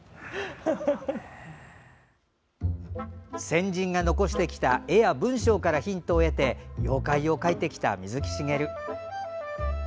先人が残してきた絵や文章からヒントを得て妖怪を描いてきた水木しげる。